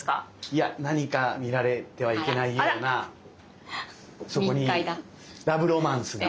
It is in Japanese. いや何か見られてはいけないようなそこにラブロマンスが。